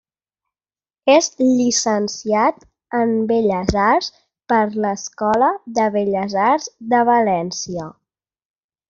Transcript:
És llicenciat en Belles Arts per l'Escola de Belles Arts de València.